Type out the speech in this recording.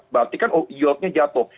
berarti kan yieldnya jatuh